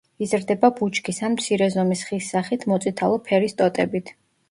იზრდება ბუჩქის ან მცირე ზომის ხის სახით მოწითალო ფერის ტოტებით.